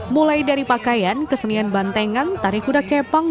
mulai dari pakaian kesenian bantengan tari kuda kepang